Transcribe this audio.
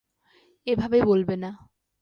এভাবে বলবে না।